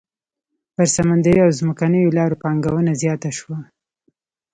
پر سمندري او ځمکنيو لارو پانګونه زیاته شوه.